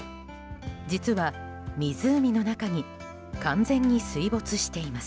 実は、湖の中に完全に水没しています。